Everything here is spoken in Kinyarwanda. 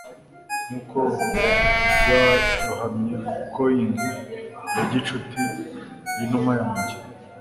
nkuko byarohamye coing ya gicuti yinuma yanjye